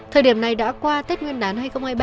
thời điểm này đã qua tết nguyên đán hai nghìn hai mươi ba